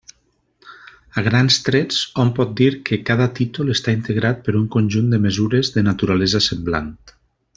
A grans trets, hom pot dir que cada títol està integrat per un conjunt de mesures de naturalesa semblant.